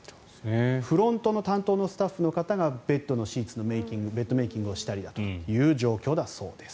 フロントの担当のスタッフの方がベッドのシーツのメイキングベッドメイキングをしたりだとかという状況だそうです。